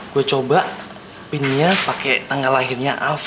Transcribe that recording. gua coba pinnya pakai tanggal lahirnya alva